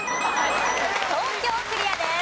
東京クリアです。